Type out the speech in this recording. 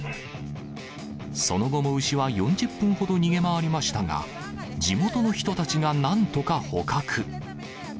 その後も牛は４０分ほど逃げ回りましたが、地元の人たちがなんとか捕獲。